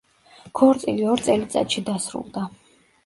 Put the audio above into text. ქორწილი ორ წელწადში დასრულდა.